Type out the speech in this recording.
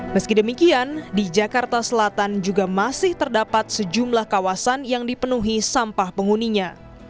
meski demikian di jakarta selatan juga masih terdapat sejumlah kawasan yang dipenuhi sampah penghuninya